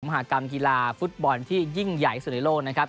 มหากรรมกีฬาฟุตบอลที่ยิ่งใหญ่สุดในโลกนะครับ